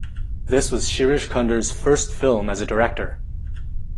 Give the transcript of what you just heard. This was Shirish Kunder's first film as a director.